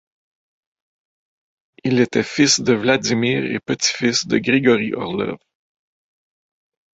Il était fils de Vladimir et petit-fils de Grigori Orlov.